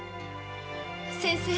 先生！